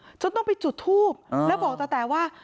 อ่าาาาาาช้าต้องไปจุดทูบแล้วบอกตาแต่ว่า